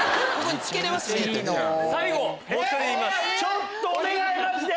ちょっとお願いマジで。